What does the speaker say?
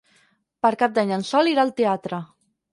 Per Cap d'Any en Sol irà al teatre.